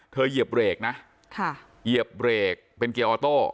เหยียบเบรกนะเหยียบเบรกเป็นเกียร์ออโต้